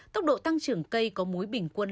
tốc độ tăng trưởng cây có múi bình quân